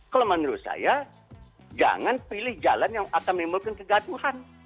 kalau menurut saya jangan pilih jalan yang akan menimbulkan kegaduhan